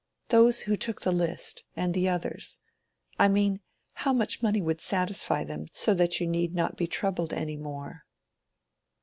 "Those who took the list—and the others. I mean, how much money would satisfy them so that you need not be troubled any more?"